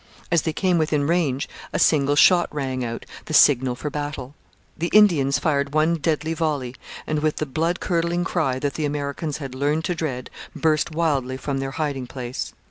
As they came within range a single shot rang out the signal for battle. The Indians fired one deadly volley, and, with the blood curdling cry that the Americans had learned to dread, burst wildly from their hiding place.